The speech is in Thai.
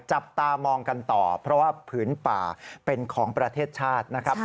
จับตามองกันต่อเพราะว่าผืนป่าเป็นของประเทศชาตินะครับ